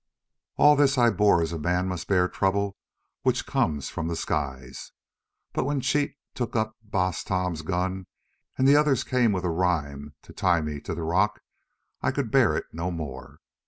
"All this I bore as a man must bear trouble which comes from the skies, but when Cheat took up Baas Tom's gun and the others came with a reim to tie me to the rock, I could bear it no more.